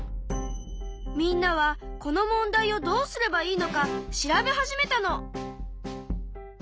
みんなはこの問題をどうすればいいのか調べ始めたの。